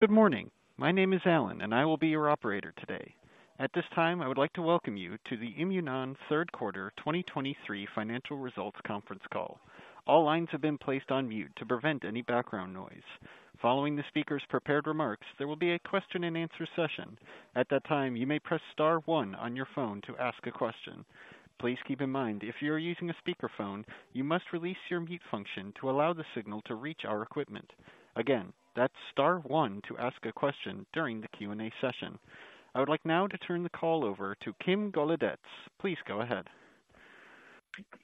Good morning. My name is Alan, and I will be your operator today. At this time, I would like to welcome you to the Imunon Third Quarter 2023 Financial Results Conference Call. All lines have been placed on mute to prevent any background noise. Following the speaker's prepared remarks, there will be a question-and-answer session. At that time, you may press star one on your phone to ask a question. Please keep in mind, if you are using a speakerphone, you must release your mute function to allow the signal to reach our equipment. Again, that's star one to ask a question during the Q&A session. I would like now to turn the call over to Kim Golodetz. Please go ahead.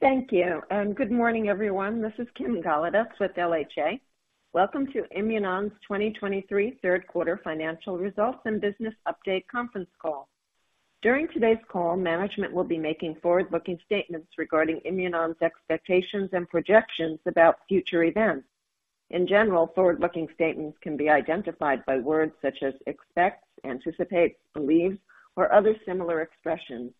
Thank you, and good morning, everyone. This is Kim Golodetz with LHA. Welcome to Imunon's 2023 third quarter financial results and business update conference call. During today's call, management will be making forward-looking statements regarding Imunon's expectations and projections about future events. In general, forward-looking statements can be identified by words such as expects, anticipates, believes, or other similar expressions.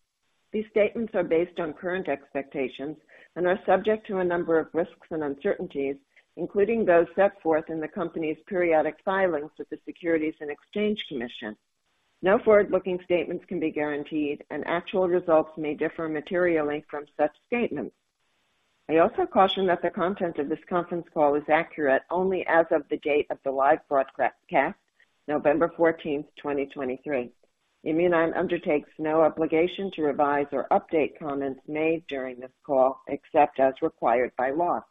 These statements are based on current expectations and are subject to a number of risks and uncertainties, including those set forth in the company's periodic filings with the Securities and Exchange Commission. No forward-looking statements can be guaranteed, and actual results may differ materially from such statements. I also caution that the content of this conference call is accurate only as of the date of the live broadcast, November 14, 2023. Imunon undertakes no obligation to revise or update comments made during this call, except as required by law.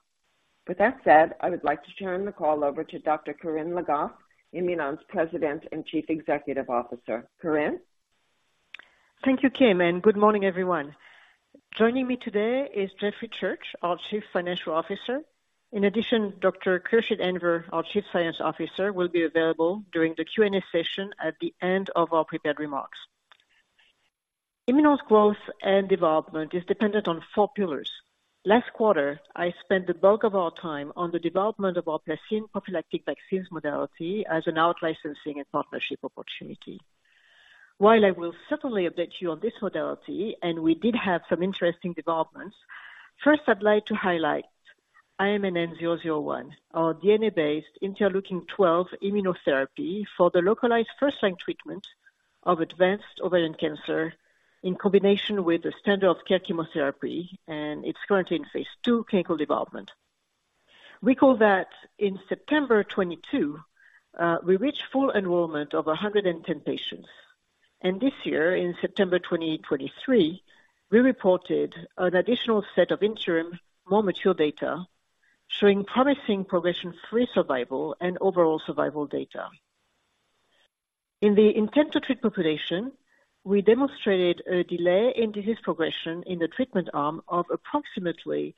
With that said, I would like to turn the call over to Dr. Corinne Le Goff, Imunon's President and Chief Executive Officer. Corinne? Thank you, Kim, and good morning, everyone. Joining me today is Jeffrey Church, our Chief Financial Officer. In addition, Dr. Khursheed Anwer, our Chief Science Officer, will be available during the Q&A session at the end of our prepared remarks. Imunon's growth and development is dependent on four pillars. Last quarter, I spent the bulk of our time on the development of our vaccine, prophylactic vaccines modality as an out-licensing and partnership opportunity. While I will certainly update you on this modality, and we did have some interesting developments, first, I'd like to highlight IMNN-001, our DNA-based interleukin twelve immunotherapy for the localized first-line treatment of advanced ovarian cancer in combination with the standard of care chemotherapy, and it's currently in phase two clinical development. Recall that in September 2022, we reached full enrollment of 110 patients, and this year, in September 2023, we reported an additional set of interim, more mature data showing promising progression-free survival and overall survival data. In the intent-to-treat population, we demonstrated a delay in disease progression in the treatment arm of approximately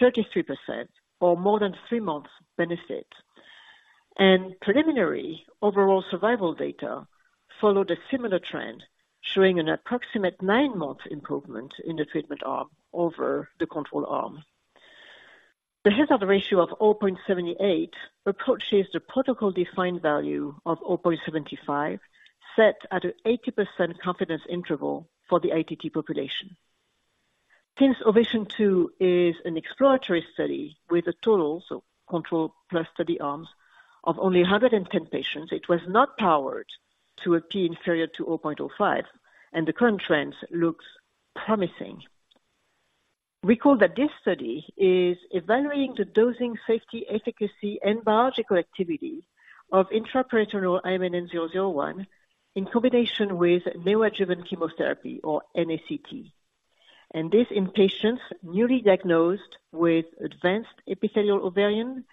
33% or more than three months benefit. Preliminary overall survival data followed a similar trend, showing an approximate nine-month improvement in the treatment arm over the control arm. The hazard ratio of 0.78 approaches the protocol-defined value of 0.75, set at an 80% confidence interval for the ITT population. Since OVATION 2 is an exploratory study with a total, so control plus study arms, of only 110 patients, it was not powered to appear inferior to 0.05, and the current trend looks promising. Recall that this study is evaluating the dosing, safety, efficacy, and biological activity of intraperitoneal IMNN-001 in combination with neoadjuvant chemotherapy, or NACT, and this in patients newly diagnosed with advanced epithelial ovarian,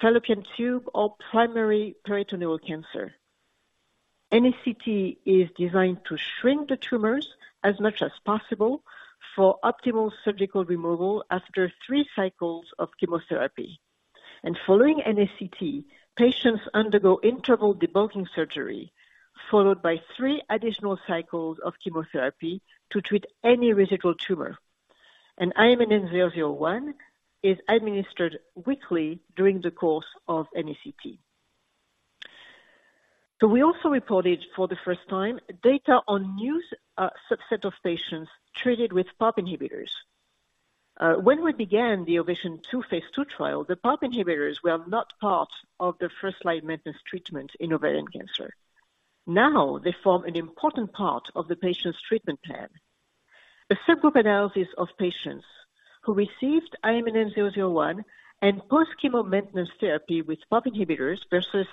fallopian tube, or primary peritoneal cancer. NACT is designed to shrink the tumors as much as possible for optimal surgical removal after three cycles of chemotherapy. Following NACT, patients undergo interval debulking surgery, followed by three additional cycles of chemotherapy to treat any residual tumor. IMNN-001 is administered weekly during the course of NACT. We also reported for the first time, data on new subset of patients treated with PARP inhibitors. When we began the OVATION 2 phase 2 trial, the PARP inhibitors were not part of the first-line maintenance treatment in ovarian cancer. Now, they form an important part of the patient's treatment plan. A subgroup analysis of patients who received IMNN-001 and post-chemo maintenance therapy with PARP inhibitors versus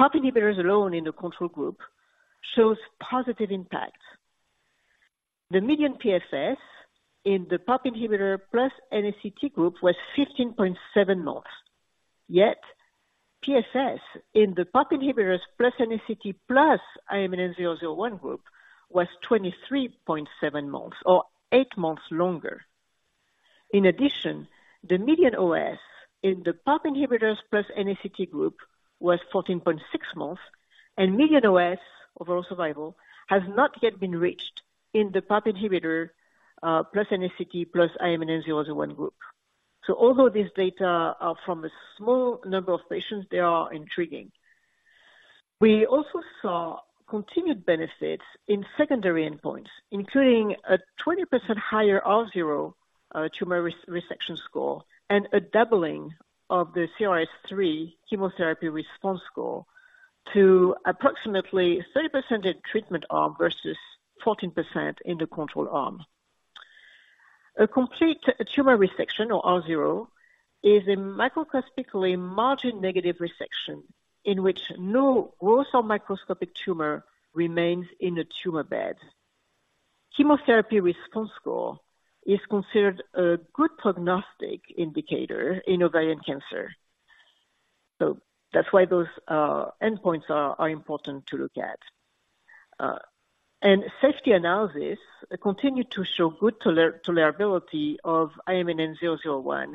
PARP inhibitors alone in the control group shows positive impact. The median PFS in the PARP inhibitor plus NACT group was 15.7 months, yet PFS in the PARP inhibitors plus NACT plus IMNN-001 group was 23.7 months or 8 months longer. In addition, the median OS in the PARP inhibitors plus NACT group was 14.6 months, and median OS, overall survival, has not yet been reached in the PARP inhibitor plus NACT plus IMNN-001 group. Although these data are from a small number of patients, they are intriguing. We also saw continued benefits in secondary endpoints, including a 20% higher R0, tumor resection score, and a doubling of the CRS-3 chemotherapy response score to approximately 30% in treatment arm versus 14% in the control arm. A complete tumor resection, or R zero, is a microscopically margin negative resection in which no growth or microscopic tumor remains in the tumor bed. Chemotherapy response score is considered a good prognostic indicator in ovarian cancer. That's why those endpoints are important to look at. And safety analysis continue to show good tolerability of IMNN-001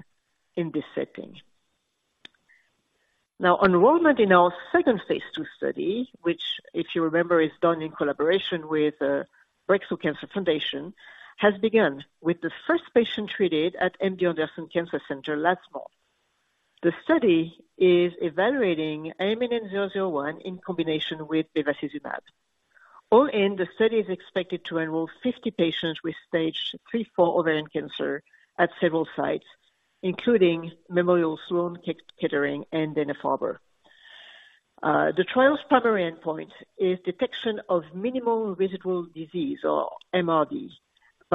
in this setting. Now, enrollment in our second phase 2 study, which, if you remember, is done in collaboration with BreakThrough Cancer Foundation, has begun with the first patient treated at MD Anderson Cancer Center last month. The study is evaluating IMNN-001 in combination with bevacizumab. All in, the study is expected to enroll 50 patients with stage 3/4 ovarian cancer at several sites, including Memorial Sloan Kettering and Dana-Farber. The trial's primary endpoint is detection of minimal residual disease, or MRD,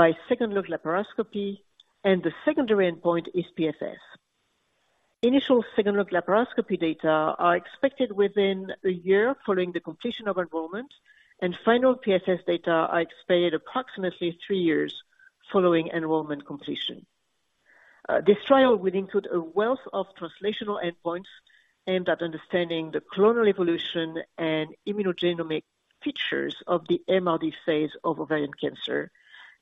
by second-look laparoscopy, and the secondary endpoint is PFS. Initial second-look laparoscopy data are expected within one year following the completion of enrollment, and final PFS data are expected approximately three years following enrollment completion. This trial will include a wealth of translational endpoints aimed at understanding the clonal evolution and immunogenomic features of the MRD phase of ovarian cancer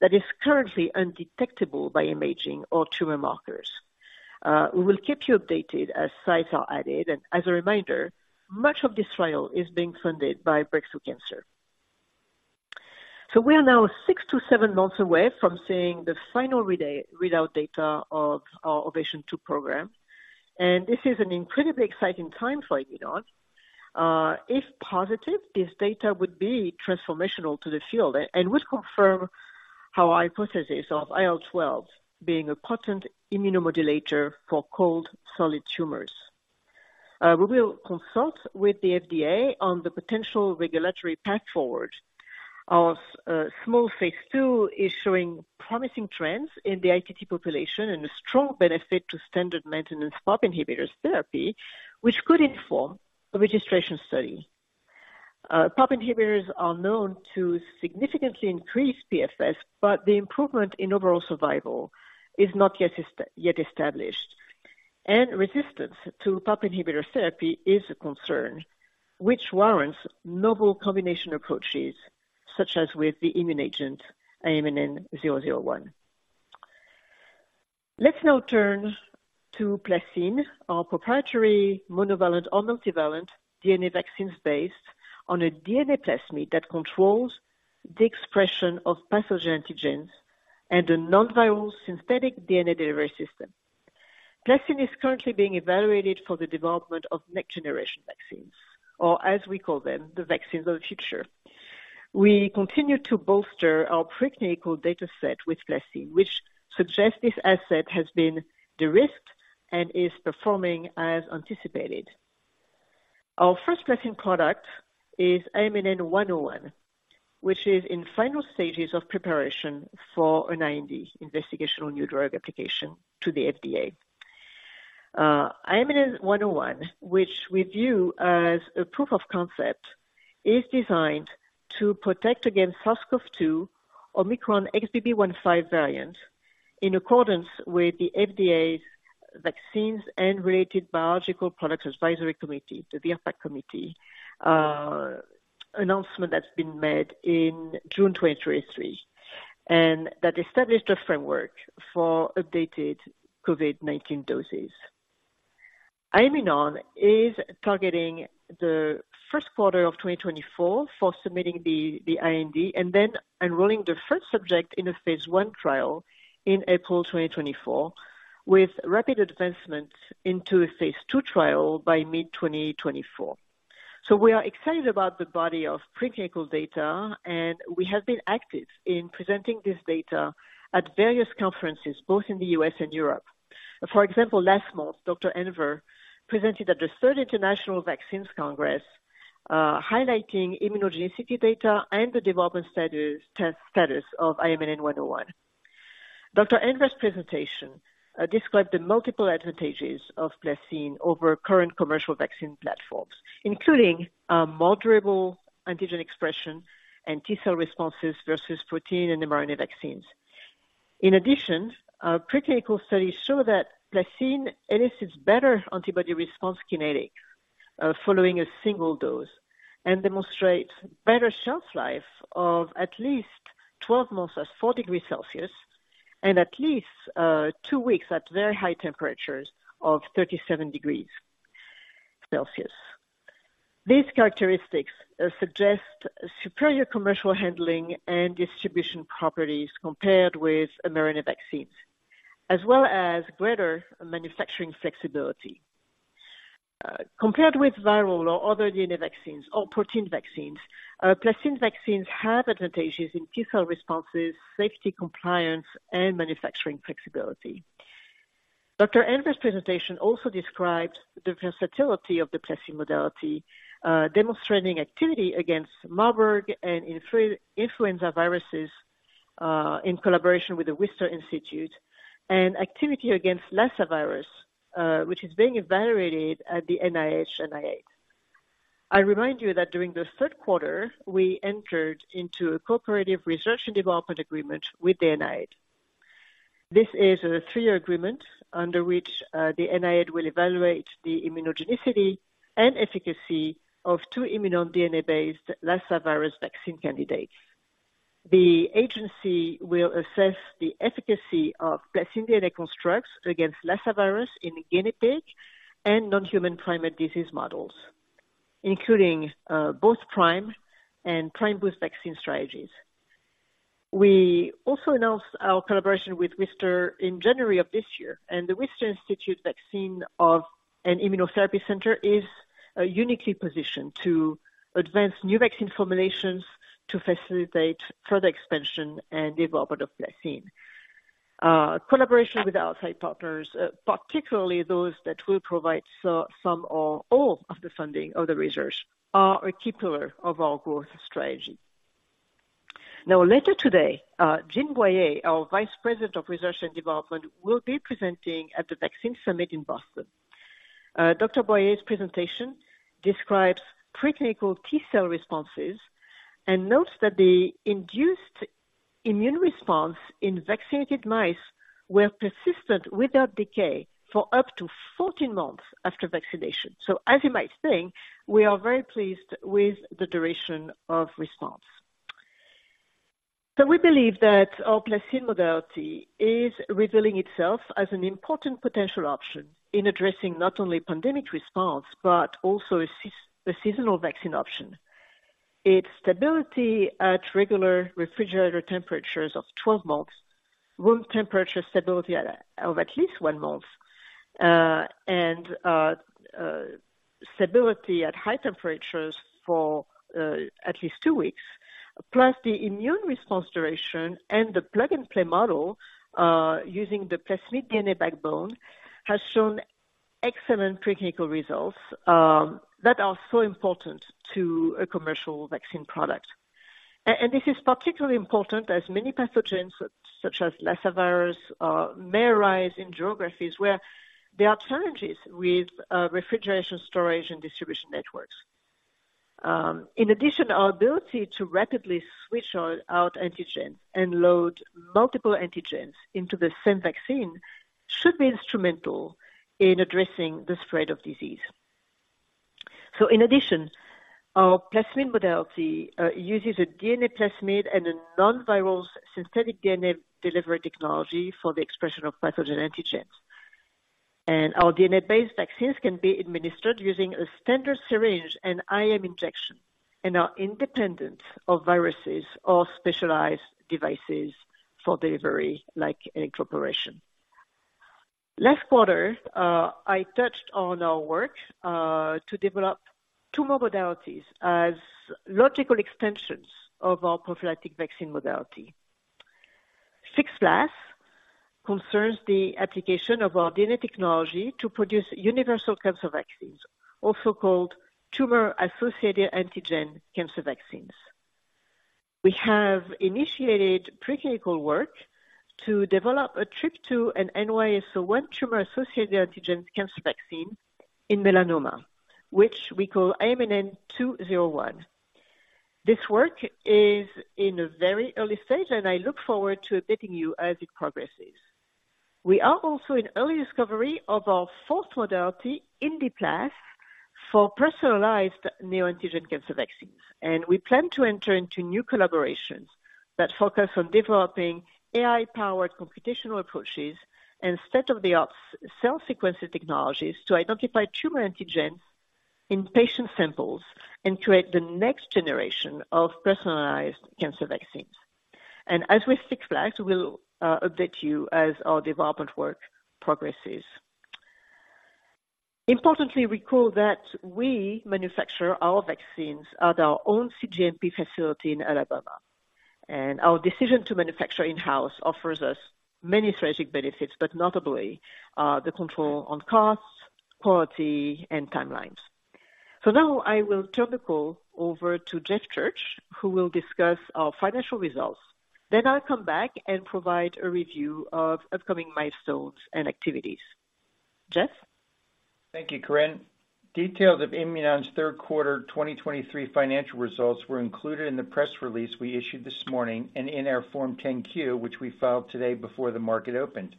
that is currently undetectable by imaging or tumor markers. We will keep you updated as sites are added, and as a reminder, much of this trial is being funded by Break Through Cancer. So we are now six-seven months away from seeing the final readout data of our OVATION 2 program, and this is an incredibly exciting time for Imunon. If positive, this data would be transformational to the field and would confirm our hypothesis of IL-12 being a potent immunomodulator for cold solid tumors. We will consult with the FDA on the potential regulatory path forward as small phase 2 is showing promising trends in the ITT population and a strong benefit to standard maintenance PARP inhibitors therapy, which could inform a registration study. PARP inhibitors are known to significantly increase PFS, but the improvement in overall survival is not yet established, and resistance to PARP inhibitor therapy is a concern which warrants novel combination approaches, such as with the immune agent IMNN-001. Let's now turn to PlaCCine, our proprietary monovalent or multivalent DNA vaccines based on a DNA plasmid that controls the expression of pathogen antigens and a nonviral synthetic DNA delivery system. PlaCCine is currently being evaluated for the development of next-generation vaccines, or as we call them, the vaccines of the future. We continue to bolster our preclinical data set with PlaCCine, which suggests this asset has been de-risked and is performing as anticipated. Our first PlaCCine product is IMNN-101, which is in final stages of preparation for an IND, Investigational New Drug application to the FDA. IMNN-101, which we view as a proof of concept, is designed to protect against SARS-CoV-2 Omicron XBB.1.5 variant, in accordance with the FDA's Vaccines and Related Biological Products Advisory Committee, the VRBPAC committee, announcement that's been made in June 2023, and that established a framework for updated COVID-19 doses. Imunon is targeting the first quarter of 2024 for submitting the the IND and then enrolling the first subject in a phase 1 trial in April 2024, with rapid advancement into a phase 2 trial by mid-2024. We are excited about the body of preclinical data, and we have been active in presenting this data at various conferences, both in the U.S. and Europe. For example, last month, Dr. Anwer presented at the Third International Vaccines Congress, highlighting immunogenicity data and the development status of IMNN-101. Dr. Anwer's presentation described the multiple advantages of PlaCCine over current commercial vaccine platforms, including modulable antigen expression and T-cell responses versus protein and mRNA vaccines. In addition, preclinical studies show that PlaCCine elicits better antibody response kinetics, following a single dose, and demonstrates better shelf life of at least 12 months at 4 degrees Celsius, and at least 2 weeks at very high temperatures of 37 degrees Celsius. These characteristics suggest superior commercial handling and distribution properties compared with mRNA vaccines, as well as greater manufacturing flexibility. Compared with viral or other DNA vaccines or protein vaccines, PlaCCine vaccines have advantages in T-cell responses, safety, compliance, and manufacturing flexibility. Dr. Anwer's presentation also describes the versatility of the PlaCCine modality, demonstrating activity against Marburg and influenza viruses, in collaboration with the Wistar Institute, and activity against Lassa virus, which is being evaluated at the NIH NIAID. I remind you that during the third quarter, we entered into a cooperative research and development agreement with the NIAID. This is a three-year agreement under which the NIAID will evaluate the immunogenicity and efficacy of two IMUNON DNA-based Lassa virus vaccine candidates. The agency will assess the efficacy of plasmid DNA constructs against Lassa virus in guinea pig and non-human primate disease models, including both prime and prime boost vaccine strategies. We also announced our collaboration with Wistar in January of this year, and the Wistar Institute Vaccine and Immunotherapy Center is uniquely positioned to advance new vaccine formulations to facilitate further expansion and development of PlaCCine. Collaboration with outside partners, particularly those that will provide some or all of the funding of the research, is a key pillar of our growth strategy. Now, later today, Jean Boyer, our Vice President of Research and Development, will be presenting at the Vaccine Summit in Boston. Dr. Boyer's presentation describes preclinical T-cell responses and notes that the induced immune response in vaccinated mice were persistent without decay for up to 14 months after vaccination. So as you might think, we are very pleased with the duration of response. We believe that our PlaCCine modality is revealing itself as an important potential option in addressing not only pandemic response, but also a seasonal vaccine option. Its stability at regular refrigerator temperatures of 12 months, room temperature stability of at least one month, and stability at high temperatures for at least two weeks, plus the immune response duration and the plug-and-play model, using the plasmid DNA backbone, has shown excellent preclinical results, that are so important to a commercial vaccine product. And this is particularly important as many pathogens, such as Lassa virus, may arise in geographies where there are challenges with refrigeration, storage, and distribution networks. In addition, our ability to rapidly switch out antigens and load multiple antigens into the same vaccine should be instrumental in addressing the spread of disease. So in addition, our plasmid modality uses a DNA plasmid and a nonviral synthetic DNA delivery technology for the expression of pathogen antigens. Our DNA-based vaccines can be administered using a standard syringe and IM injection, and are independent of viruses or specialized devices for delivery, like incorporation. Last quarter, I touched on our work to develop two more modalities as logical extensions of our prophylactic vaccine modality. FixPlas concerns the application of our DNA technology to produce universal cancer vaccines, also called tumor-associated antigen cancer vaccines. We have initiated preclinical work to develop a Trp2 and NY-ESO-1 tumor-associated antigen cancer vaccine in melanoma, which we call IMNN-201. This work is in a very early stage, and I look forward to updating you as it progresses. We are also in early discovery of our fourth modality, IndiPlas, for personalized neoantigen cancer vaccines. We plan to enter into new collaborations that focus on developing AI-powered computational approaches and state-of-the-art cell sequencing technologies to identify tumor antigens in patient samples and create the next generation of personalized cancer vaccines. And as with Six Flags, we'll update you as our development work progresses. Importantly, recall that we manufacture our vaccines at our own cGMP facility in Alabama, and our decision to manufacture in-house offers us many strategic benefits, but notably, the control on costs, quality, and timelines. Now I will turn the call over to Jeff Church, who will discuss our financial results. Then I'll come back and provide a review of upcoming milestones and activities. Jeff? Thank you, Corinne. Details of Imunon's third quarter 2023 financial results were included in the press release we issued this morning and in our Form 10-Q, which we filed today before the market opened.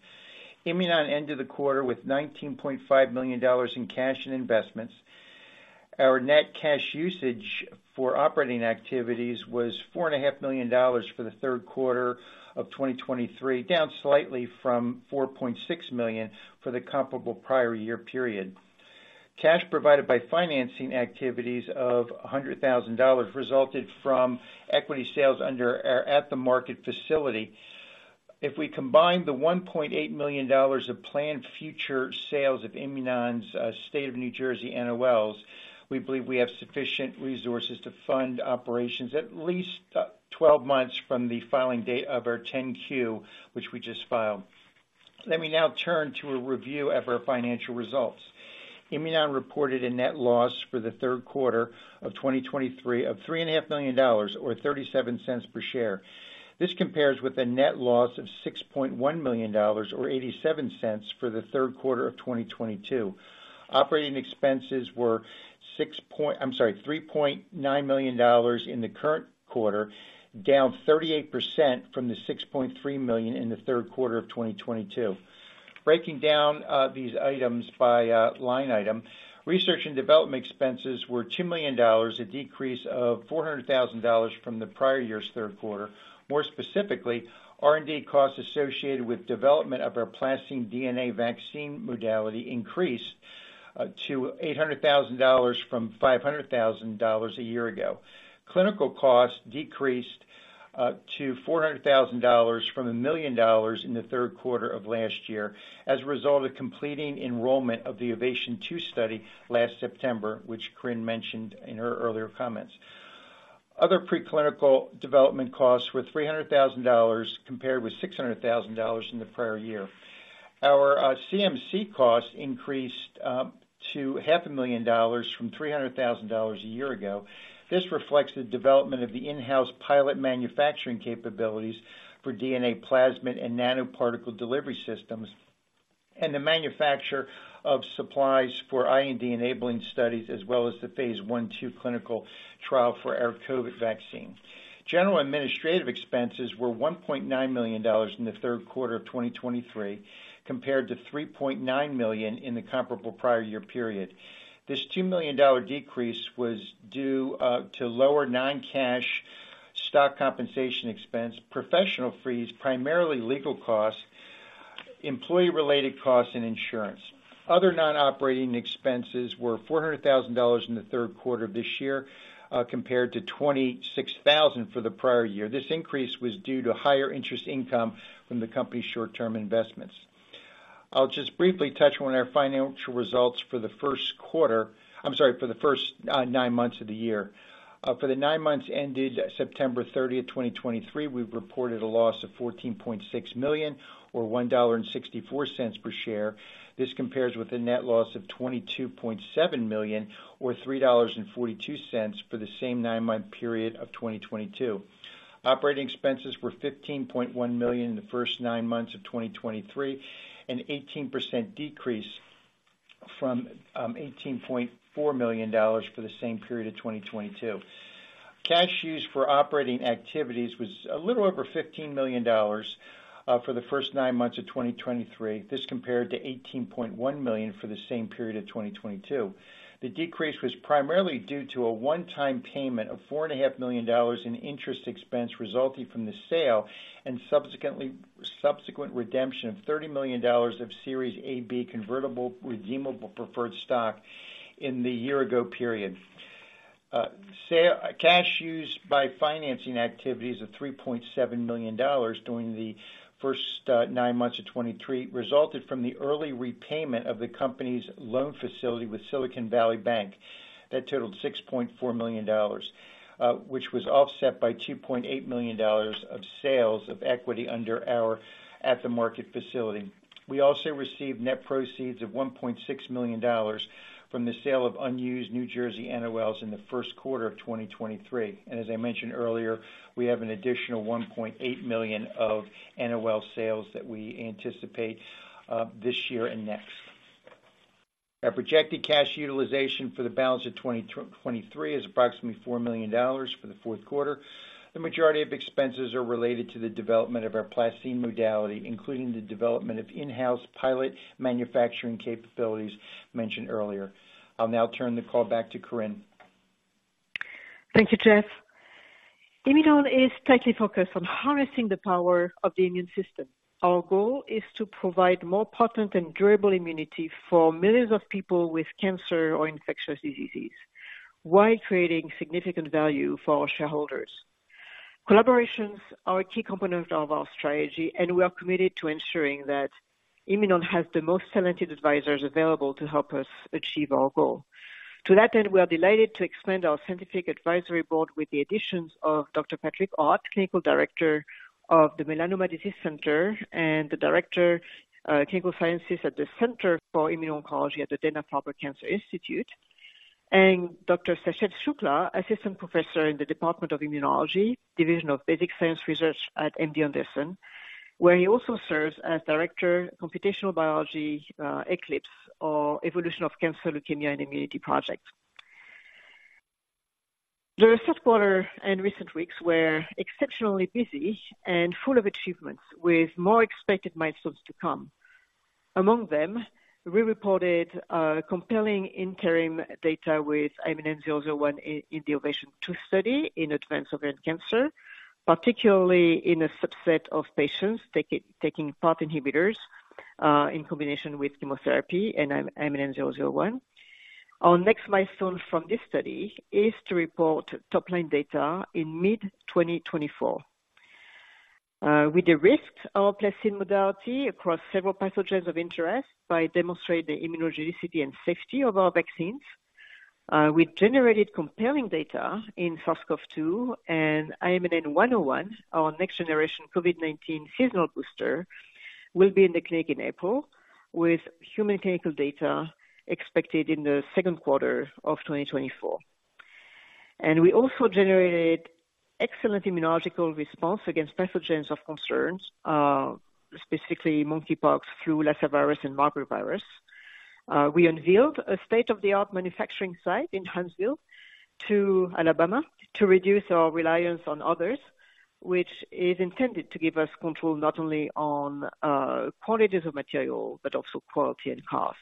Imunon ended the quarter with $19.5 million in cash and investments. Our net cash usage for operating activities was $4.5 million for the third quarter of 2023, down slightly from $4.6 million for the comparable prior year period. Cash provided by financing activities of $100,000 resulted from equity sales under our at-the-market facility. If we combine the $1.8 million of planned future sales of Imunon's State of New Jersey NOLs, we believe we have sufficient resources to fund operations at least 12 months from the filing date of our 10-Q, which we just filed. Let me now turn to a review of our financial results. Imunon reported a net loss for the third quarter of 2023 of $3.5 million or 37 cents per share. This compares with a net loss of $6.1 million, or 87 cents for the third quarter of 2022. Operating expenses were six point... I'm sorry, $3.9 million in the current quarter, down 38% from the $6.3 million in the third quarter of 2022. Breaking down these items by line item. Research and development expenses were $2 million, a decrease of $400,000 from the prior year's third quarter. More specifically, R&D costs associated with development of our PlaCCine DNA vaccine modality increased to $800,000 from $500,000 a year ago. Clinical costs decreased to $400,000 from $1 million in the third quarter of last year, as a result of completing enrollment of the OVATION 2 study last September, which Corinne mentioned in her earlier comments. Other preclinical development costs were $300,000, compared with $600,000 in the prior year. Our CMC costs increased to $500,000 from $300,000 a year ago. This reflects the development of the in-house pilot manufacturing capabilities for DNA plasmid and nanoparticle delivery systems, and the manufacture of supplies for IND enabling studies, as well as the phase 1/2 clinical trial for our COVID vaccine. General administrative expenses were $1.9 million in the third quarter of 2023, compared to $3.9 million in the comparable prior year period. This $2 million decrease was due to lower non-cash stock compensation expense, professional fees, primarily legal costs, employee-related costs and insurance. Other non-operating expenses were $400,000 in the third quarter of this year, compared to $26,000 for the prior year. This increase was due to higher interest income from the company's short-term investments. I'll just briefly touch on our financial results for the first quarter... I'm sorry, for the first nine months of the year. For the nine months ended September 30, 2023, we've reported a loss of $14.6 million, or $1.64 per share. This compares with a net loss of $22.7 million, or $3.42 for the same nine-month period of 2022. Operating expenses were $15.1 million in the first nine months of 2023, an 18% decrease from $18.4 million for the same period of 2022. Cash used for operating activities was a little over $15 million for the first nine months of 2023. This compared to $18.1 million for the same period of 2022. The decrease was primarily due to a one-time payment of $4.5 million in interest expense resulting from the sale and subsequent redemption of $30 million of Series A, B convertible redeemable preferred stock in the year ago period. Cash used by financing activities of $3.7 million during the first nine months of 2023 resulted from the early repayment of the company's loan facility with Silicon Valley Bank. That totaled $6.4 million, which was offset by $2.8 million of sales of equity under our at-the-market facility. We also received net proceeds of $1.6 million from the sale of unused New Jersey NOLs in the first quarter of 2023. As I mentioned earlier, we have an additional $1.8 million of NOL sales that we anticipate this year and next. Our projected cash utilization for the balance of 2023 is approximately $4 million for the fourth quarter. The majority of expenses are related to the development of our PlaCCine modality, including the development of in-house pilot manufacturing capabilities mentioned earlier. I'll now turn the call back to Corinne. Thank you, Jeff. Imunon is tightly focused on harnessing the power of the immune system. Our goal is to provide more potent and durable immunity for millions of people with cancer or infectious diseases, while creating significant value for our shareholders. Collaborations are a key component of our strategy, and we are committed to ensuring that Imunon has the most talented advisors available to help us achieve our goal. To that end, we are delighted to expand our scientific advisory board with the additions of Dr. Patrick Ott, Clinical Director of the Melanoma Disease Center, and the Director, Clinical Sciences at the Center for Immuno-Oncology at the Dana-Farber Cancer Institute, and Dr. Sachet Shukla, Assistant Professor in the Department of Immunology, Division of Basic Science Research at MD Anderson, where he also serves as Director, Computational Biology, ECLIPSE, or Evolution of Cancer, Leukemia and Immunity Project. The third quarter and recent weeks were exceptionally busy and full of achievements, with more expected milestones to come. Among them, we reported compelling interim data with IMNN-001 in the OVATION 2 study in advanced ovarian cancer, particularly in a subset of patients taking PARP inhibitors in combination with chemotherapy and IMNN-001. Our next milestone from this study is to report top-line data in mid-2024. We de-risked our PlaCCine modality across several pathogens of interest by demonstrating the immunogenicity and safety of our vaccines. We generated compelling data in SARS-CoV-2 and IMNN-101, our next generation COVID-19 seasonal booster, will be in the clinic in April, with human clinical data expected in the second quarter of 2024. And we also generated excellent immunological response against pathogens of concerns, specifically monkeypox, flu, Lassa virus and Marburg virus. We unveiled a state-of-the-art manufacturing site in Huntsville, Alabama to reduce our reliance on others, which is intended to give us control not only on quantities of material, but also quality and cost.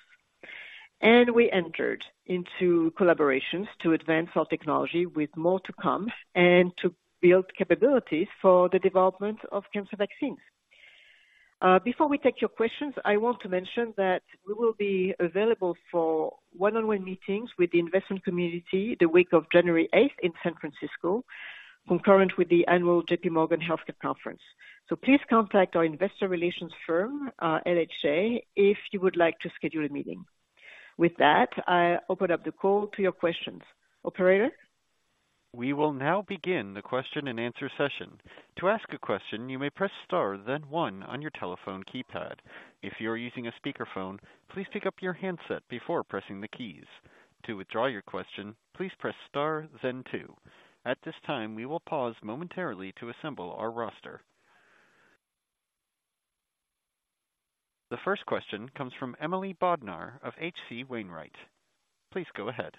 We entered into collaborations to advance our technology with more to come and to build capabilities for the development of cancer vaccines. Before we take your questions, I want to mention that we will be available for one-on-one meetings with the investment community the week of January eighth in San Francisco, concurrent with the annual JP Morgan Healthcare Conference. So please contact our investor relations firm, LHA, if you would like to schedule a meeting. With that, I open up the call to your questions. Operator? We will now begin the question and answer session. To ask a question, you may press star, then one on your telephone keypad. If you are using a speakerphone, please pick up your handset before pressing the keys. To withdraw your question, please press star, then two. At this time, we will pause momentarily to assemble our roster. The first question comes from Emily Bodnar of H.C. Wainwright. Please go ahead.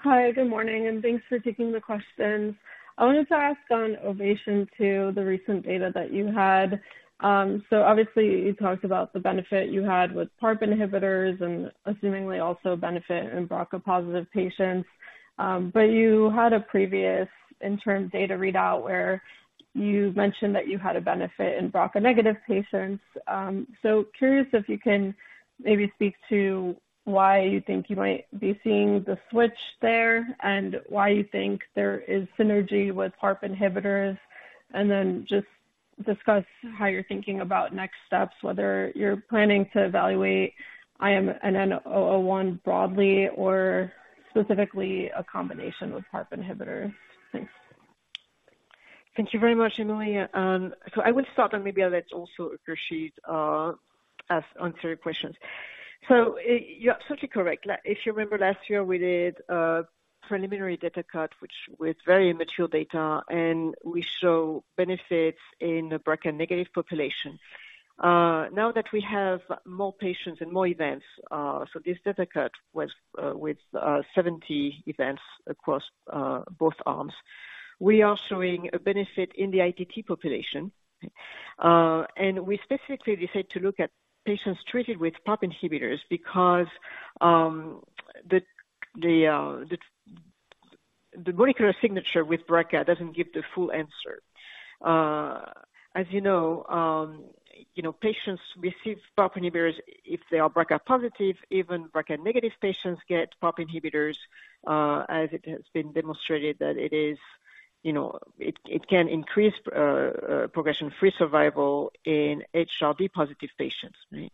Hi, good morning, and thanks for taking the questions. I wanted to ask on OVATION 2 to the recent data that you had. Obviously you talked about the benefit you had with PARP inhibitors and assuming also benefit in BRCA positive patients. But you had a previous interim data readout where you mentioned that you had a benefit in BRCA negative patients. So curious if you can maybe speak to why you think you might be seeing the switch there, and why you think there is synergy with PARP inhibitors, and then just discuss how you're thinking about next steps, whether you're planning to evaluate IMNN-001 broadly or specifically a combination with PARP inhibitors. Thanks. Thank you very much, Emily. So I will start and maybe I'll let also Krish ask answer your questions. You're absolutely correct. If you remember last year, we did a preliminary data cut, which with very immature data, and we show benefits in the BRCA negative population. Now that we have more patients and more events, so this data cut was with 70 events across both arms. We are showing a benefit in the ITT population, and we specifically decide to look at patients treated with PARP inhibitors because the molecular signature with BRCA doesn't give the full answer. As you know, you know, patients receive PARP inhibitors if they are BRCA positive. Even BRCA negative patients get PARP inhibitors, as it has been demonstrated that it is, you know, it can increase progression-free survival in HRD positive patients. Right?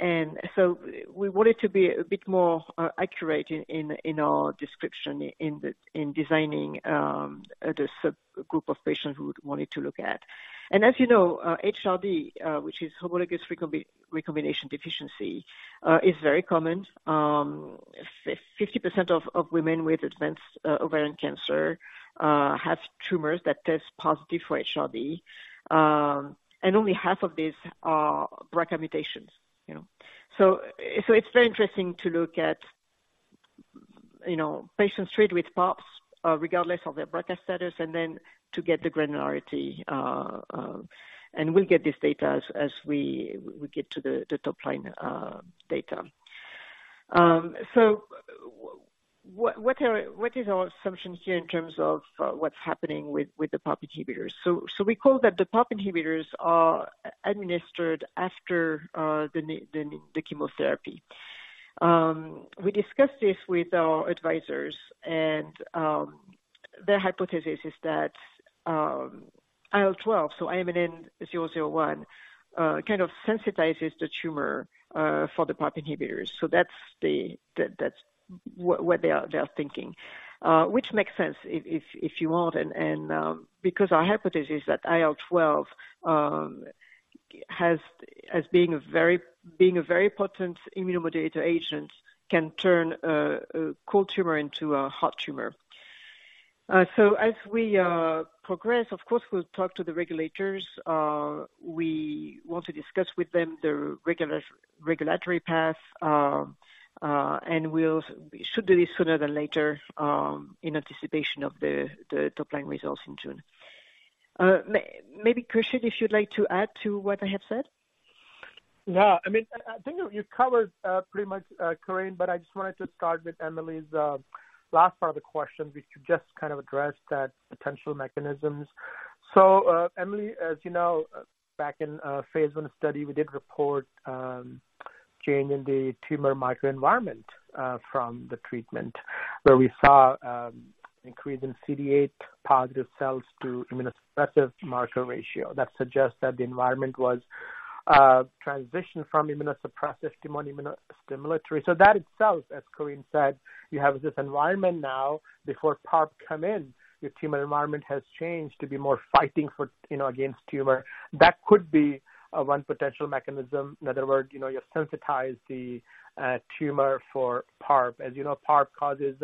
And so we wanted to be a bit more accurate in our description, in designing the subgroup of patients we wanted to look at. As you know, HRD, which is homologous recombination deficiency, is very common. 50% of women with advanced ovarian cancer have tumors that test positive for HRD, and only half of these are BRCA mutations, you know? So, it's very interesting to look at, you know, patients treated with PARPs regardless of their BRCA status and then to get the granularity, and we'll get this data as we get to the top line data. So, what is our assumption here in terms of what's happening with the PARP inhibitors? So, we call that the PARP inhibitors are administered after the chemotherapy. We discussed this with our advisors, and their hypothesis is that IL-12, so IMNN-001, kind of sensitizes the tumor for the PARP inhibitors. That's what they are thinking, which makes sense if you want and because our hypothesis is that IL-12 has as being a very potent immunomodulator agent can turn a cold tumor into a hot tumor. So as we progress, of course, we'll talk to the regulators. We want to discuss with them the regulatory path, and we'll should do this sooner than later, in anticipation of the top-line results in June. Maybe Krish, if you'd like to add to what I have said? Yeah. I mean, I think you covered pretty much Corinne, but I just wanted to start with Emily's last part of the question, which you just kind of addressed that potential mechanisms. So, Emily, as you know, back in phase 1 study, we did report change in the tumor microenvironment from the treatment... where we saw increase in CD8 positive cells to immunosuppressive marker ratio. That suggests that the environment was transitioned from immunosuppressive to immunostimulatory. That itself, as Corinne said, you have this environment now before PARP come in, your tumor environment has changed to be more fighting for, you know, against tumor. That could be one potential mechanism. In other words, you know, you sensitize the tumor for PARP. As you know, PARP causes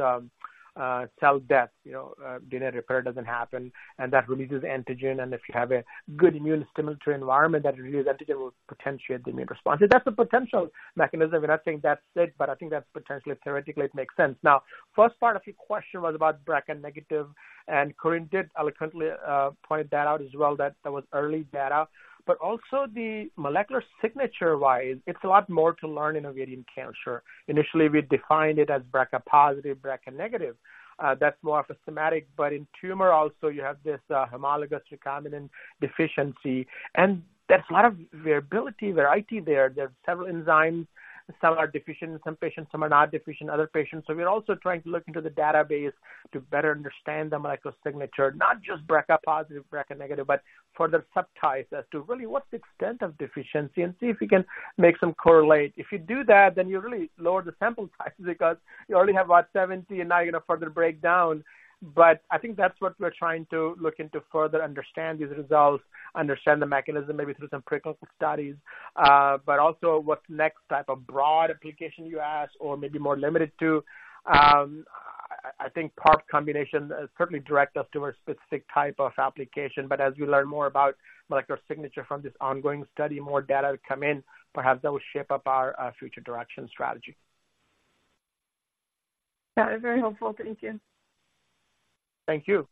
cell death, you know, DNA repair doesn't happen, and that releases antigen. And if you have a good immune stimulatory environment, that released antigen will potentiate the immune response. So that's a potential mechanism. We're not saying that's it, but I think that's potentially, theoretically, it makes sense. Now, first part of your question was about BRCA negative, and Corinne did eloquently point that out as well, that that was early data. But also the molecular signature-wise, it's a lot more to learn in ovarian cancer. Initially, we defined it as BRCA positive, BRCA negative. That's more of a somatic, but in tumor also, you have this homologous recombination deficiency, and there's a lot of variability, variety there. There's several enzymes. Some are deficient in some patients, some are not deficient in other patients. We're also trying to look into the database to better understand the molecular signature, not just BRCA positive, BRCA negative, but further subtype as to really what's the extent of deficiency and see if we can make some correlate. If you do that, then you really lower the sample size because you already have about 70, and now you're going to further break down. But I think that's what we're trying to look into further understand these results, understand the mechanism, maybe through some preclinical studies. But also what's next type of broad application you ask, or maybe more limited to, I think PARP combination certainly direct us towards specific type of application. But as you learn more about molecular signature from this ongoing study, more data come in, perhaps that will shape up our future direction strategy. That is very helpful. Thank you. Thank you.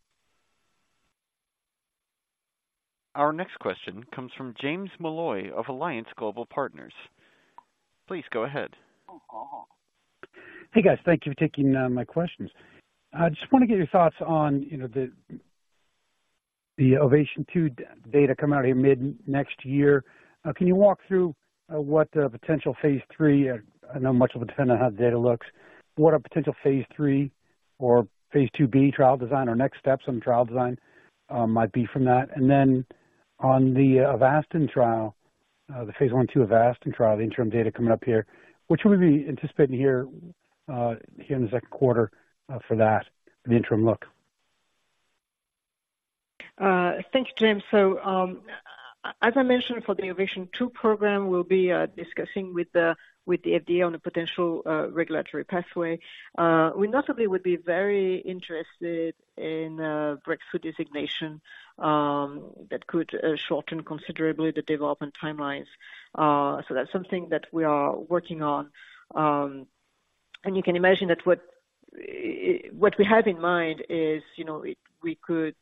Our next question comes from James Molloy of Alliance Global Partners. Please go ahead. Hey, guys. Thank you for taking my questions. I just want to get your thoughts on, you know, the OVATION002 data coming out here mid-next year. Can you walk through what the potential phase 3, I know much will depend on how the data looks, what a potential phase 3 or phase 2b trial design or next steps on trial design might be from that? And then on the Avastin trial, the phase 1/2 Avastin trial, the interim data coming up here, what should we be anticipating here in the second quarter for that, the interim look? Thank you, James. As I mentioned, for the OVATION 2 program, we'll be discussing with the FDA on a potential regulatory pathway. We notably would be very interested in a breakthrough designation that could shorten considerably the development timelines. So that's something that we are working on. And you can imagine that what we have in mind is, you know, we could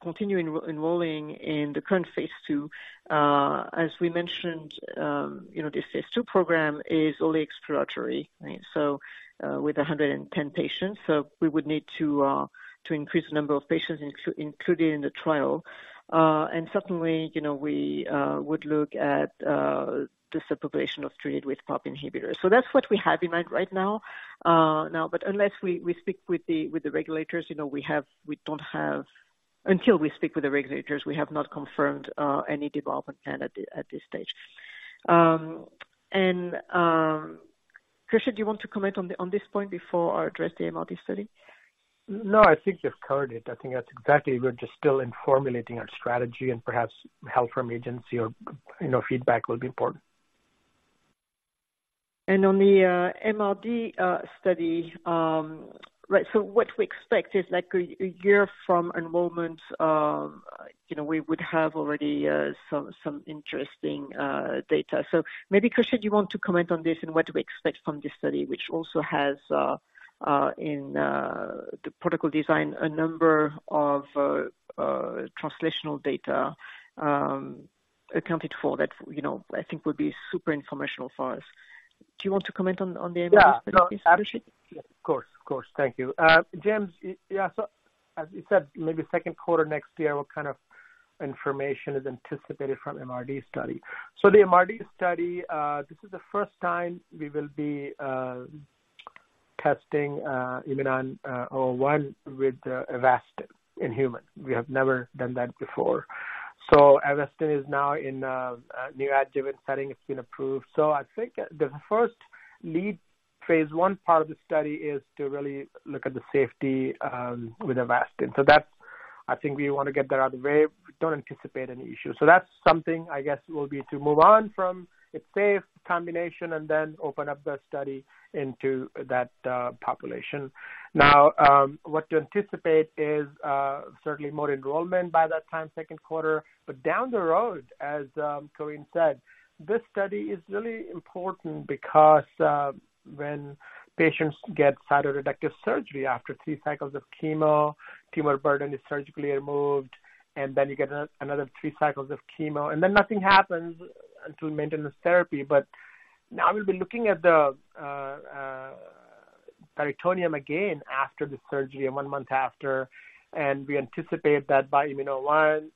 continue enrolling in the current phase 2. As we mentioned, you know, this phase 2 program is only exploratory, right? So, with 110 patients, we would need to increase the number of patients including in the trial. And certainly, you know, we would look at the subpopulation of treated with PARP inhibitor. That's what we have in mind right now. Now, but unless we speak with the regulators, you know, we have—we don't have... Until we speak with the regulators, we have not confirmed any development plan at this stage. And, Khursh, do you want to comment on this point before I address the MRD study? No, I think you've covered it. I think that's exactly. We're just still in formulating our strategy and perhaps help from agency or, you know, feedback will be important. On the MRD study, right, so what we expect is like a year from enrollment, you know, we would have already some interesting data. So maybe, Krishna, do you want to comment on this and what we expect from this study, which also has in the protocol design a number of translational data accounted for that, you know, I think would be super informational for us. Do you want to comment on the MRD study, Krishna? Yeah, of course. Of course. Thank you. James, yeah, so as you said, maybe second quarter next year, what kind of information is anticipated from MRD study. So the MRD study, this is the first time we will be testing IMNN-001 with Avastin in humans. We have never done that before. So Avastin is now in a neoadjuvant setting. It's been approved. So I think the first lead Phase 1 part of the study is to really look at the safety with Avastin. So that's, I think we want to get that out of the way. We don't anticipate any issue. So that's something I guess will be to move on from its safe combination and then open up the study into that population. Now, what to anticipate is certainly more enrollment by that time, second quarter. But down the road, as Corinne said, this study is really important because when patients get cytoreductive surgery after three cycles of chemo, tumor burden is surgically removed, and then you get another three cycles of chemo, and then nothing happens to maintenance therapy. But now we'll be looking at the peritoneum again after the surgery and one month after, and we anticipate that by IMNN-001 and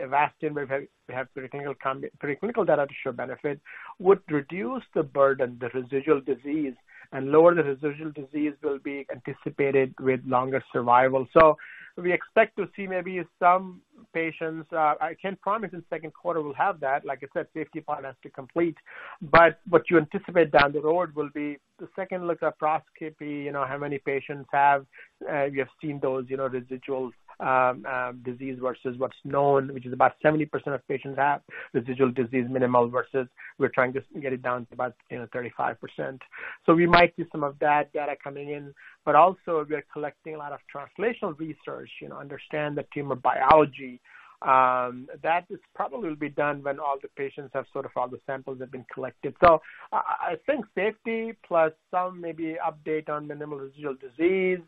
Avastin, we have preclinical data to show benefit, would reduce the burden, the residual disease, and lower the residual disease will be anticipated with longer survival. So we expect to see maybe some patients. I can't promise in second quarter we'll have that. Like I said, safety part has to complete, but what you anticipate down the road will be the second-look laparoscopy, you know, how many patients have we have seen those, you know, residual disease versus what's known, which is about 70% of patients have residual disease minimal, versus we're trying to get it down to about, you know, 35%. So we might see some of that data coming in, but also we are collecting a lot of translational research, you know, understand the tumor biology. That is probably will be done when all the patients have sort of all the samples have been collected. So I think safety plus some maybe update on minimal residual disease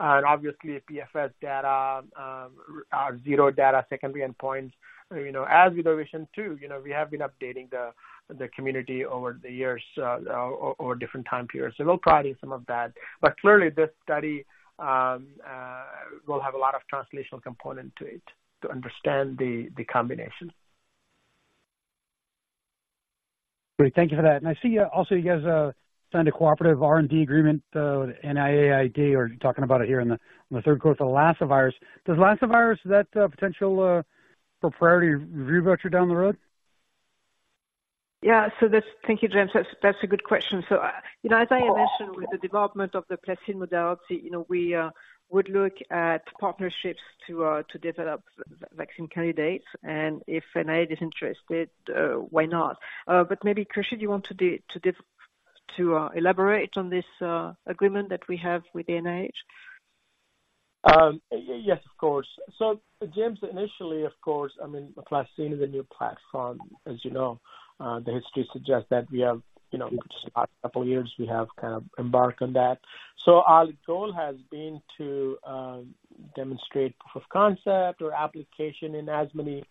and obviously PFS data, our R0 data secondary endpoints. You know, as with OVATION 2, you know, we have been updating the community over the years or different time periods. So we'll probably some of that. But clearly this study will have a lot of translational component to it to understand the combination. Great. Thank you for that. I see, also you guys, signed a cooperative R&D agreement, NIAID, or talking about it here in the third quarter, the Lassa virus. Does Lassa virus, is that a potential, for priority review voucher down the road? Yeah. Thank you, James. That's a good question. So, you know, as I mentioned, with the development of the PlaCCine modality, you know, we would look at partnerships to develop vaccine candidates, and if NIAID is interested, why not? But maybe, Krishan, do you want to elaborate on this agreement that we have with NIAID? Yes, of course. James, initially, of course, I mean, the PlaCCine is a new platform, as you know. The history suggests that we have, you know, just last couple of years, we have kind of embarked on that. So our goal has been to demonstrate proof of concept or application in as many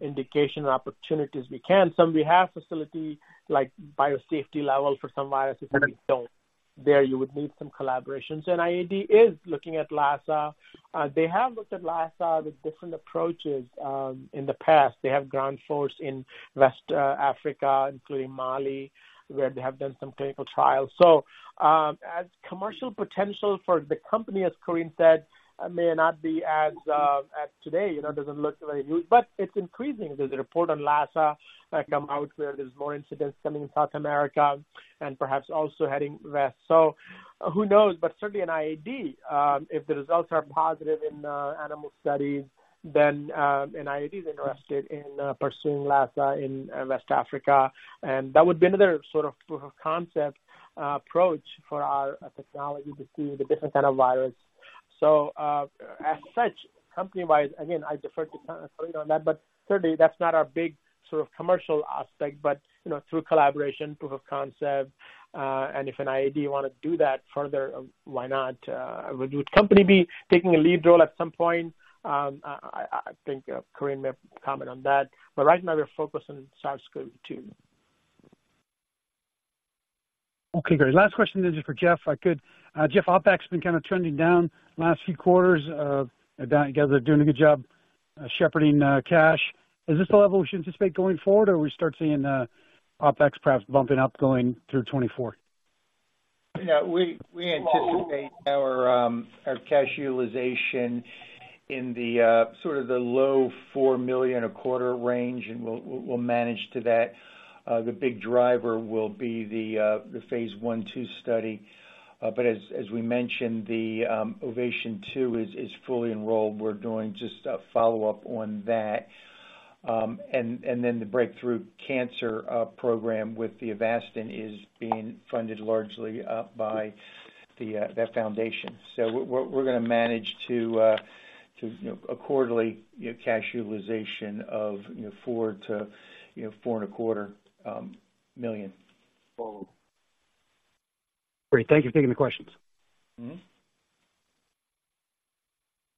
indication or opportunities we can. Some we have facility like biosafety level for some viruses, and we don't. There, you would need some collaborations, and NIAID is looking at Lassa. They have looked at Lassa with different approaches. In the past, they have ground force in West Africa, including Mali, where they have done some clinical trials. So, as commercial potential for the company, as Corinne said, may not be as, as today, you know, it doesn't look very huge, but it's increasing. There's a report on Lassa come out where there's more incidents coming in South America and perhaps also heading west. So who knows? But certainly in NIAID, if the results are positive in animal studies, then NIAID is interested in pursuing Lassa in West Africa. And that would be another sort of proof of concept approach for our technology to see the different kind of virus. So, as such, company-wise, again, I defer to Corinne on that, but certainly that's not our big sort of commercial aspect, but, you know, through collaboration, proof of concept, and if NIAID want to do that further, why not? Would company be taking a lead role at some point? I think Corinne may comment on that, but right now we're focused on SARS-CoV-2. Okay, great. Last question is just for Jeff. If I could, Jeff, OpEx has been kind of trending down last few quarters, you guys are doing a good job, shepherding cash. Is this the level we should anticipate going forward, or we start seeing OpEx perhaps bumping up going through 2024? Yeah, we anticipate our cash realization in the sort of the low $4 million a quarter range, and we'll manage to that. The big driver will be the phase I/II study. But as we mentioned, the OVATION 2 is fully enrolled. We're doing just a follow-up on that. And then the Break Through Cancer program with the Avastin is being funded largely by that foundation. So we're gonna manage to a quarterly cash utilization of four to four and a quarter million. Great. Thank you for taking the questions. Mm-hmm.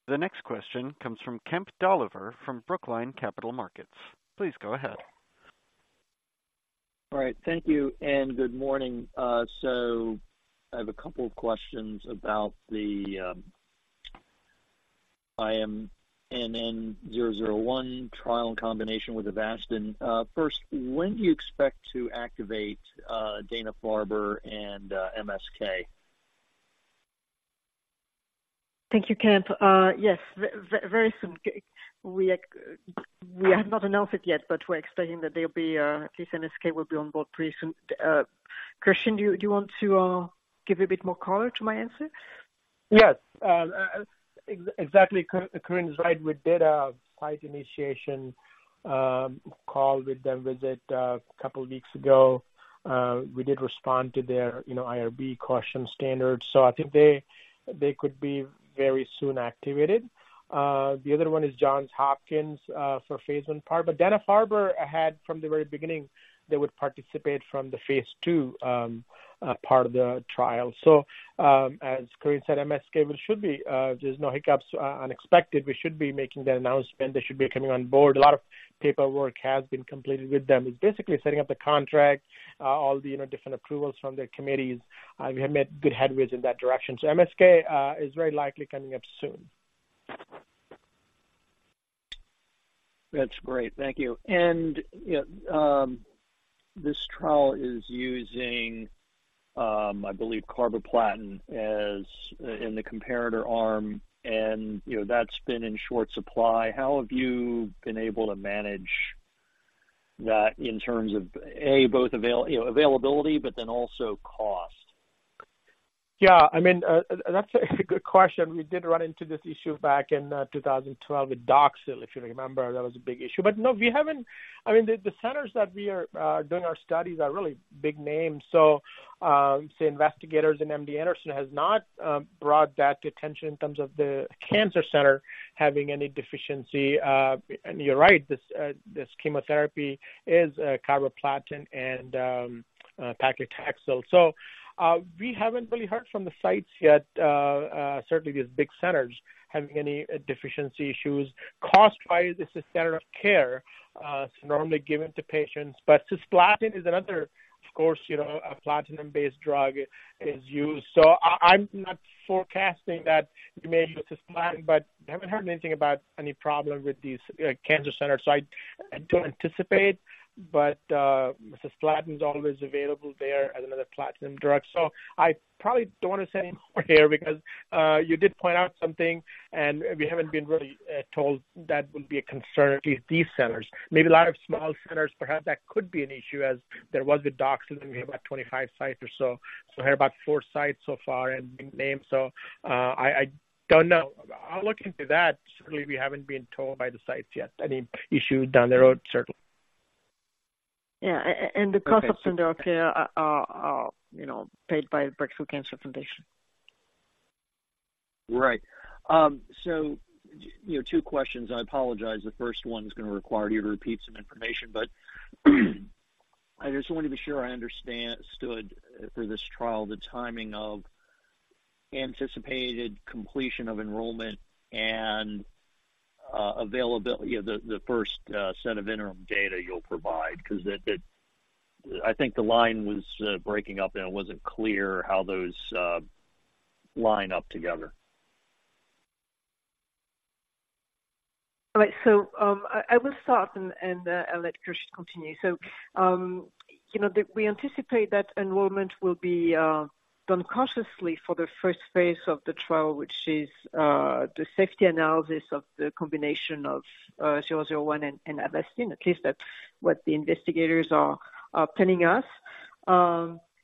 The next question comes from Kemp Dolliver, from Brookline Capital Markets. Please go ahead. All right. Thank you, and good morning. So I have a couple of questions about the IMNN-001 trial in combination with Avastin. First, when do you expect to activate Dana-Farber and MSK? Thank you, Kemp. Yes, very soon. We have not announced it yet, but we're expecting that they'll be, MSK will be on board pretty soon. Khursheed, do you want to give a bit more color to my answer? Yes, exactly, Corinne is right. We did a site initiation call with them a couple weeks ago. We did respond to their, you know, IRB question standards, so I think they could be very soon activated. The other one is Johns Hopkins for phase I part, but Dana-Farber had from the very beginning, they would participate from the phase II part of the trial. As Corinne said, MSK should be. There's no unexpected hiccups. We should be making that announcement. They should be coming on board. A lot of paperwork has been completed with them. It's basically setting up the contract, all the, you know, different approvals from their committees. We have made good headway in that direction. So MSK is very likely coming up soon.... That's great. Thank you. And, yeah, this trial is using, I believe carboplatin as, in the comparator arm, and, you know, that's been in short supply. How have you been able to manage that in terms of, A, both avail, you know, availability, but then also cost? Yeah, I mean, that's a good question. We did run into this issue back in 2012 with Doxil. If you remember, that was a big issue. But no, we haven't... I mean, the centers that we are doing our studies are really big names. So, say, investigators in MD Anderson has not brought that to attention in terms of the cancer center having any deficiency. And you're right, this chemotherapy is carboplatin and paclitaxel. So, we haven't really heard from the sites yet, certainly these big centers having any deficiency issues. Cost-wise, this is standard of care, it's normally given to patients. But cisplatin is another, of course, you know, a platinum-based drug is used. I'm not forecasting that we may use cisplatin, but I haven't heard anything about any problem with these cancer centers, so I don't anticipate. But, cisplatin is always available there as another platinum drug. I probably don't want to say any more here because you did point out something, and we haven't been really told that would be a concern to these centers. Maybe a lot of small centers, perhaps that could be an issue, as there was with doxil, and we have about 25 sites or so. So I heard about four sites so far and big names. I don't know. I'll look into that. Certainly, we haven't been told by the sites yet any issue down the road, certainly. Yeah, and the cost of standard of care are, you know, paid by Break Through Cancer. Right. You know, two questions. I apologize. The first one is gonna require you to repeat some information, but I just want to be sure I understand, stood for this trial, the timing of anticipated completion of enrollment and availability, you know, the first set of interim data you'll provide. 'Cause that, that... I think the line was breaking up, and it wasn't clear how those line up together. All right. I will start, and I'll let Krish continue. So, you know, we anticipate that enrollment will be done cautiously for the first phase of the trial, which is the safety analysis of the combination of 001 and Avastin. In case that's what the investigators are telling us.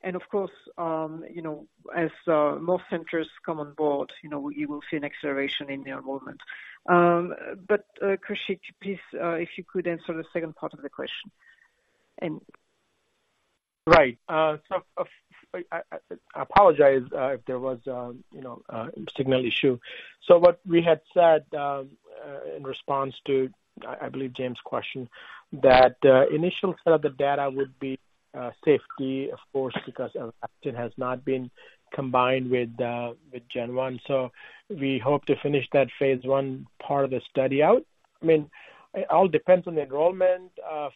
And of course, you know, as more centers come on board, you know, you will see an acceleration in the enrollment. But, Khursh, please, if you could answer the second part of the question, and- Right. So I apologize if there was, you know, a signal issue. So what we had said in response to, I believe, James' question, that initial set of the data would be safety, of course, because Avastin has not been combined with GEN-1. So we hope to finish that phase 1 part of the study out. I mean, it all depends on the enrollment.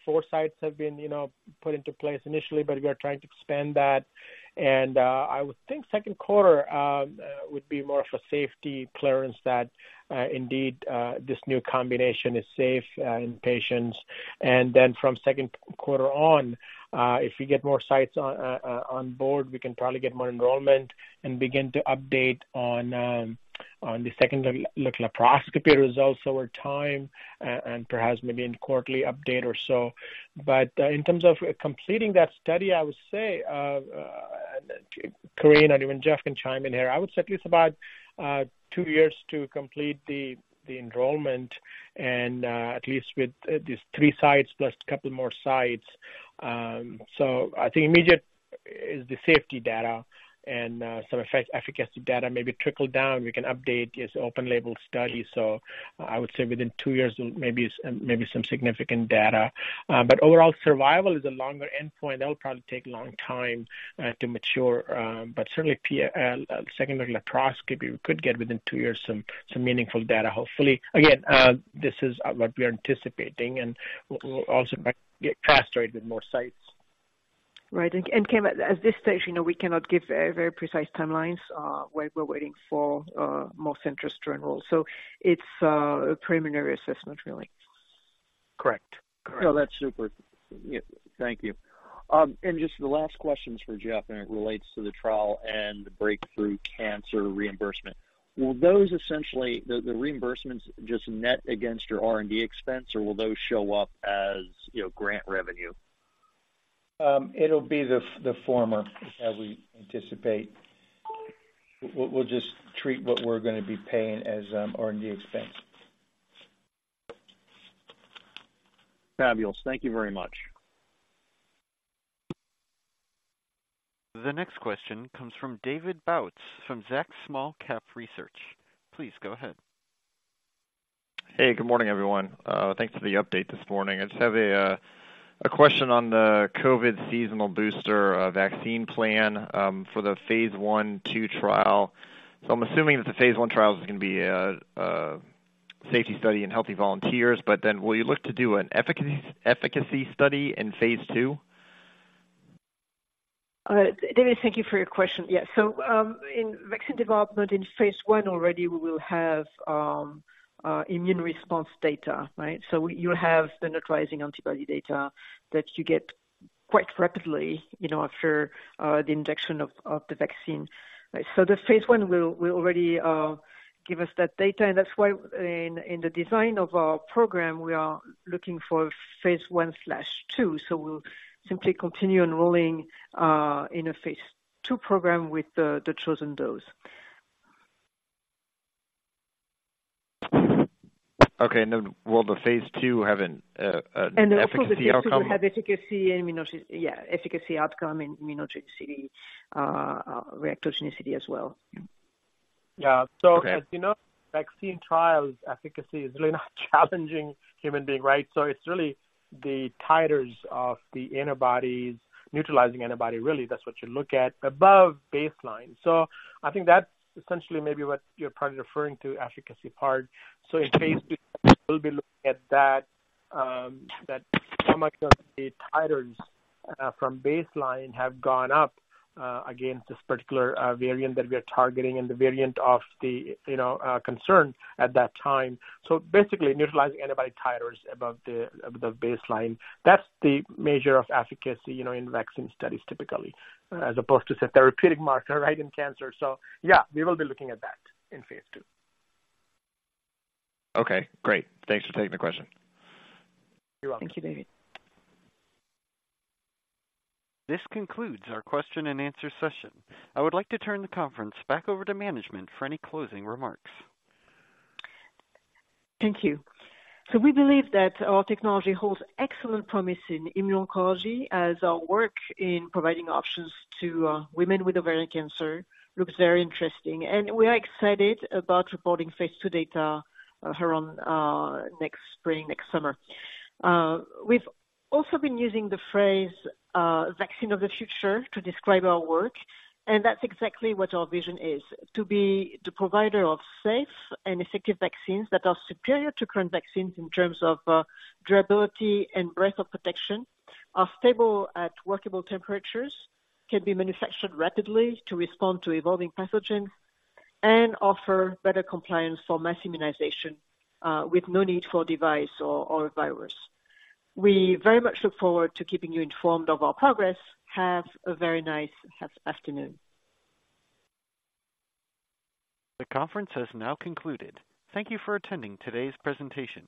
Four sites have been, you know, put into place initially, but we are trying to expand that. And I would think second quarter would be more of a safety clearance that indeed this new combination is safe in patients. Then from second quarter on, if we get more sites on board, we can probably get more enrollment and begin to update on the second-look laparoscopy results over time and perhaps maybe in quarterly update or so. But in terms of completing that study, I would say Corinne and even Jeff can chime in here. I would say at least about two years to complete the enrollment and at least with these three sites plus a couple more sites. I think immediate is the safety data and some efficacy data maybe trickle down. We can update this open label study, so I would say within two years, maybe some significant data. But overall survival is a longer endpoint. That will probably take a long time to mature. But certainly, second-look laparoscopy, we could get within two years some meaningful data, hopefully. Again, this is what we are anticipating, and we'll also get faster with more sites. Right. Kim, at this stage, you know, we cannot give very, very precise timelines where we're waiting for more centers to enroll. So it's a preliminary assessment, really. Correct. Correct. No, that's super. Yeah, thank you. And just the last question is for Jeff, and it relates to the trial and the Break Through Cancer reimbursement. Will those essentially, the, the reimbursements just net against your R&D expense, or will those show up as, you know, grant revenue? It'll be the former, as we anticipate. We'll just treat what we're gonna be paying as R&D expense. Fabulous. Thank you very much. The next question comes from David Bautz from Zacks Small Cap Research. Please go ahead. Hey, good morning, everyone. Thanks for the update this morning. I just have a question on the COVID seasonal booster vaccine plan for the phase 1/2 trial. So I'm assuming that the phase 1 trial is gonna be a safety study in healthy volunteers, but then will you look to do an efficacy study in phase 2?... David, thank you for your question. Yeah, so, in vaccine development in phase one already, we will have, immune response data, right? So you have the neutralizing antibody data that you get quite rapidly, you know, after, the injection of the vaccine. So the phase one will already give us that data, and that's why in the design of our program, we are looking for phase 1/2. We'll simply continue enrolling in a phase two program with the chosen dose. Okay. And then will the phase two have an efficacy outcome? Of course, the phase 2 will have efficacy and yeah, efficacy outcome and immunogenicity, reactogenicity as well. Yeah. Okay. As you know, vaccine trials efficacy is really not challenging human being, right? So it's really the titers of the antibodies, neutralizing antibody, really, that's what you look at above baseline. I think that's essentially maybe what you're probably referring to, efficacy part. So in phase two, we'll be looking at that, that how much of the titers, from baseline have gone up, against this particular, variant that we are targeting and the variant of the, you know, concern at that time. Basically, neutralizing antibody titers above the, above the baseline. That's the measure of efficacy, you know, in vaccine studies, typically, as opposed to a therapeutic marker, right, in cancer. So yeah, we will be looking at that in phase two. Okay, great. Thanks for taking the question. You're welcome. Thank you, David. This concludes our question and answer session. I would like to turn the conference back over to management for any closing remarks. Thank you. We believe that our technology holds excellent promise in immuno-oncology as our work in providing options to, women with ovarian cancer looks very interesting, and we are excited about reporting phase 2 data, around next spring, next summer. We've also been using the phrase, vaccine of the future, to describe our work, and that's exactly what our vision is: to be the provider of safe and effective vaccines that are superior to current vaccines in terms of, durability and breadth of protection, are stable at workable temperatures, can be manufactured rapidly to respond to evolving pathogens, and offer better compliance for mass immunization, with no need for a device or a virus. We very much look forward to keeping you informed of our progress. Have a very nice afternoon. The conference has now concluded. Thank you for attending today's presentation.